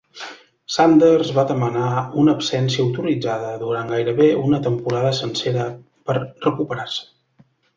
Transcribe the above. Sanders va demanar una absència autoritzada durant gairebé una temporada sencera per recuperar-se.